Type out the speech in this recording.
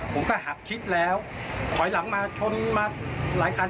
ผมก็หักชิดแล้วถอยหลังมาชนมาหลายคัน